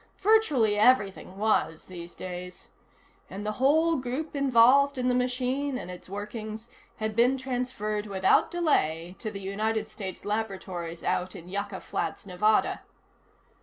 Virtually everything was, these days. And the whole group involved in the machine and its workings had been transferred without delay to the United States Laboratories out in Yucca Flats, Nevada.